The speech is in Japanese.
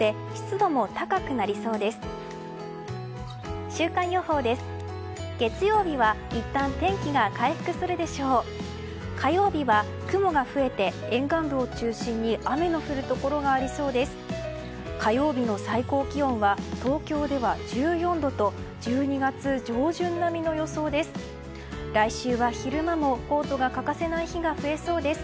火曜日の最高気温は東京では１４度と１２月上旬並みの予想です。